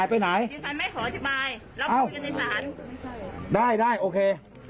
ไม่คุณบอกว่ายังไม่ขอขออะไรออกนะครับได้ได้โอเค